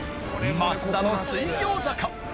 松田の水餃子か？